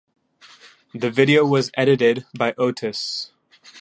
The video was edited by Otus.